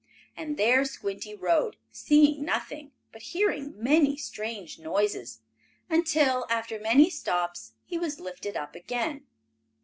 And there Squinty rode, seeing nothing, but hearing many strange noises, until, after many stops, he was lifted up again.